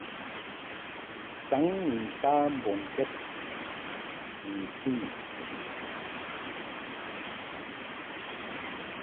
Saŋ ni nta mbɔŋkɛd ni mfɨnyum.